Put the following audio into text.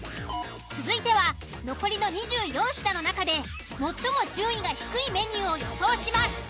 続いては残りの２４品の中で最も順位が低いメニューを予想します。